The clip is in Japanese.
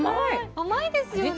甘いですよね。